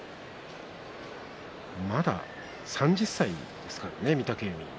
まだ３０歳ですからね、御嶽海も。